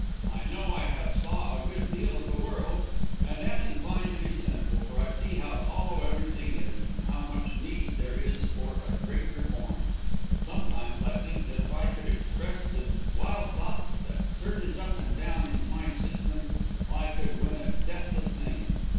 I know I have saw a good deal of the world, and am inclined to be cynical for I see how hollow everything is, and how much need there is for a great reform. Sometimes I think that if I could express the wild thoughts that surges up and down in my system, I could win a deathless name.